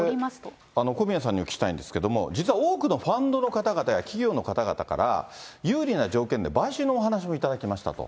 これ、小宮さんにお聞きしたいんですけれども、実は多くのファンドの方々や企業の方々から、有利な条件で買収のお話も頂きましたと。